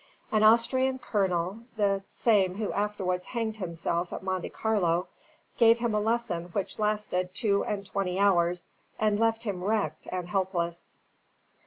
An Austrian colonel the same who afterwards hanged himself at Monte Carlo gave him a lesson which lasted two and twenty hours, and left him wrecked and helpless.